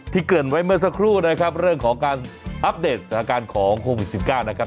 เกริ่นไว้เมื่อสักครู่นะครับเรื่องของการอัปเดตสถานการณ์ของโควิด๑๙นะครับ